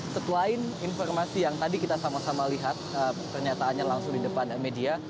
selain informasi yang tadi kita sama sama lihat pernyataannya langsung di depan media